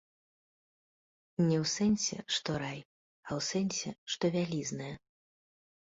Не ў сэнсе, што рай, а ў сэнсе, што вялізная.